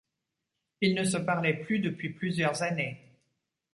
Ils ne se parlaient plus depuis plusieurs années.